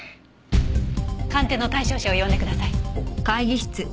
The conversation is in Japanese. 鑑定の対象者を呼んでください。